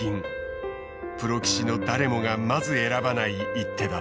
プロ棋士の誰もがまず選ばない一手だった。